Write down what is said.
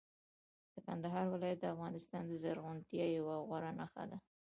د کندهار ولایت د افغانستان د زرغونتیا یوه غوره نښه ده.